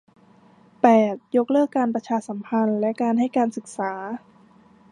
แปด ยกเลิกการประชาสัมพันธ์และการให้การศึกษา